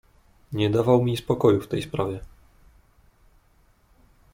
"Nie dawał mi spokoju w tej sprawie."